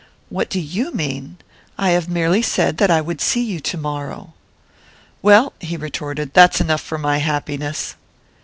"What do you mean? I have merely said that I would see you tomorrow " "Well," he retorted, "that's enough for my happiness!"